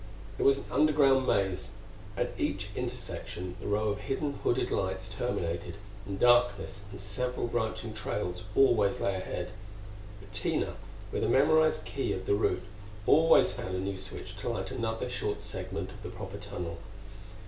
It was an underground maze. At each intersection the row of hidden hooded lights terminated, and darkness and several branching trails always lay ahead. But Tina, with a memorized key of the route, always found a new switch to light another short segment of the proper tunnel.